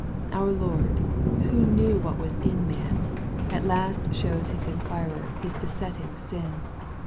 Our Lord, who knew what was in man, at last shows His inquirer his besetting sin.